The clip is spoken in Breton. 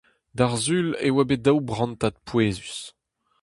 D'ar Sul e oa bet daou brantad pouezus.